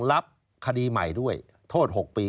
รับคดีใหม่ด้วยโทษ๖ปี